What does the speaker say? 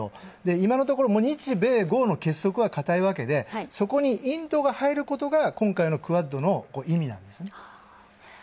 今のところ日米豪の結束は固いわけで、そこにインドが入ることが今回のＱｕａｄの意味なんですよね。